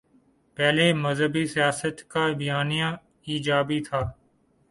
پہلے مذہبی سیاست کا بیانیہ ایجابی تھا۔